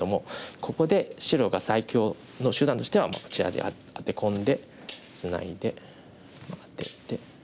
ここで白が最強の手段としてはこちらにアテ込んでツナいでアテてツナいで。